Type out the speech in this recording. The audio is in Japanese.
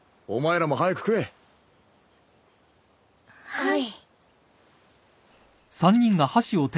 はい。